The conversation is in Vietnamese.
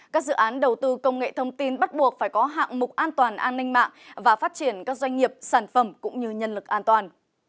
các dự án đầu tư công nghệ thông tin bắt buộc phải có hạng mục an toàn an ninh mạng và phát triển các doanh nghiệp sản phẩm cũng như nhân lực an toàn